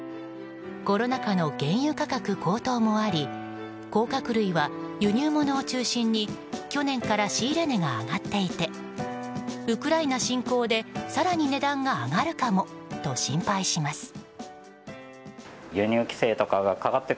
コロナ禍の原油価格高騰もあり甲殻類は輸入物を中心に去年から仕入れ値が上がっていてウクライナ侵攻で更に値段が上がるかもと心配します。